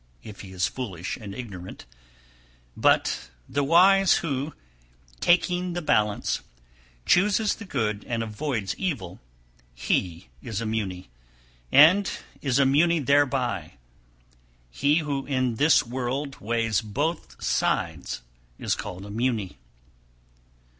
mauna), if he is foolish and ignorant; but the wise who, taking the balance, chooses the good and avoids evil, he is a Muni, and is a Muni thereby; he who in this world weighs both sides is called a Muni.